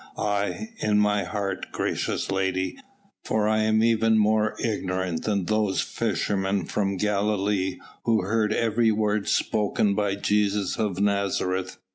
"Aye! in my heart, gracious lady; for I am even more ignorant than those fishermen from Galilee who heard every word spoken by Jesus of Nazareth.